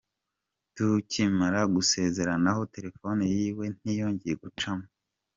Tukimara gusezeranaho telefone y’iwe ntiyongeye gucamo.